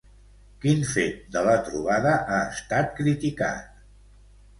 Quin fet de la trobada ha estat criticat?